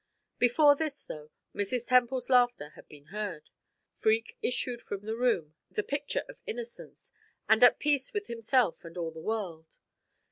Before this, though, Mrs. Temple's laughter had been heard. Freke issued from the room the picture of innocence, and at peace with himself and all the world.